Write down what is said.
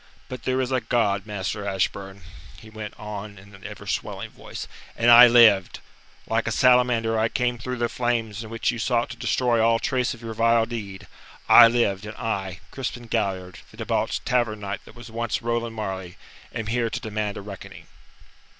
But there is a God, Master Ashburn," he went on in an ever swelling voice, "and I lived. Like a salamander I came through the flames in which you sought to destroy all trace of your vile deed. I lived, and I, Crispin Galliard, the debauched Tavern Knight that was once Roland Marleigh, am here to demand a reckoning."